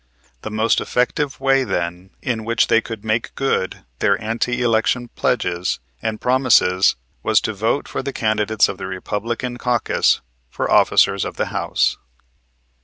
The most effective way, then, in which they could make good their ante election pledges and promises was to vote for the candidates of the Republican caucus for officers of the House.